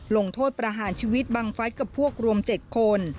ลงโทษประหารชีวิตบังฟัสกับพวกรวม๗คน